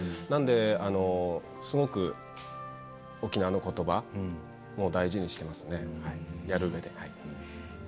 なので、すごく沖縄のことばを大事にしていますね、やるうえで。